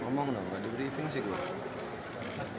ya masih lagi lanjut